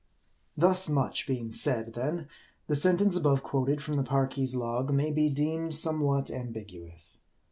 Thus much being said, then, the sentence above quoted from the Parki's log, may be deemed somewhat ambiguous.